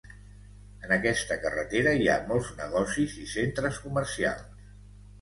En aquesta carretera hi ha molts negocis i centres comercials.